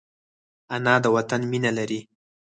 انا د وطن مینه لري